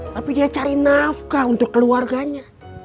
tapi dia cari nafkah untuk keluarganya